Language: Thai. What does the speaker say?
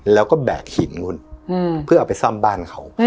แล้วก็แบกหินคุณเพื่อเอาไปซ่อมบ้านเขา